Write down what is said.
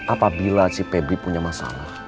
apabila si pebi punya masalah